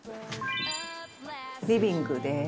リビングです。